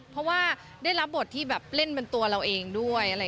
เพราะว่าได้รับบทที่แบบเล่นเป็นตัวเราเองด้วย